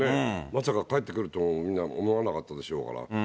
まさか返ってくるとは思わなかったでしょうから。